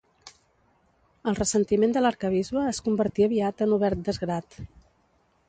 El ressentiment de l'arquebisbe es convertí aviat en obert desgrat.